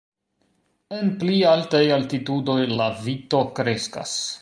En pli altaj altitudoj la vito kreskas.